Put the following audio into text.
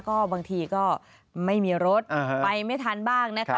ก็บางทีก็ไม่มีรถไปไม่ทันบ้างนะคะ